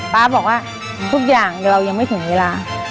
ป๊าบอกว่าทุกอย่างเรายังไม่ถึงเวลา